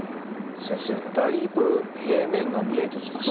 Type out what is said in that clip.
先生だいぶ平面が見えてきました。